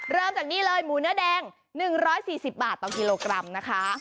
เริ่มจากนี่เลยหมูเนื้อแดง๑๔๐บาทต่อกิโลกรัมนะคะ